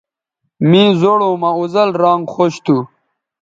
مے زوڑوں مہ اوزل رانگ خوش تھو